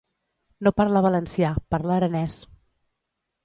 No parla valencià, parla aranès.